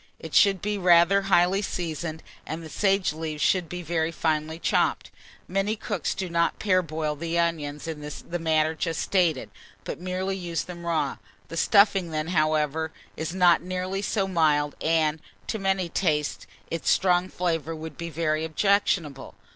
It should be rather highly seasoned, and the sage leaves should be very finely chopped. Many cooks do not parboil the onions in the manner just stated, but merely use them raw. The stuffing then, however, is not nearly so mild, and, to many tastes, its strong flavour would be very objectionable.